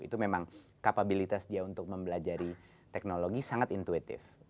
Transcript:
itu memang kapabilitas dia untuk membelajari teknologi sangat intuitif